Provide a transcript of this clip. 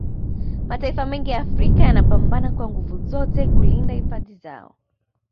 Mataifa mengi ya Afrika yanapambana kwa nguvu zote kulinda hifadhi hizo